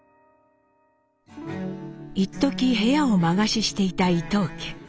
いっとき部屋を間貸ししていた伊藤家。